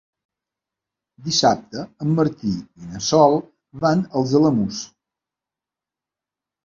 Dissabte en Martí i na Sol van als Alamús.